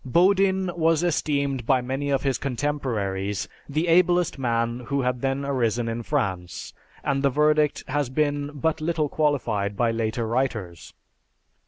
Bodin was esteemed, by many of his contemporaries, the ablest man who had then arisen in France, and the verdict has been but little qualified by later writers.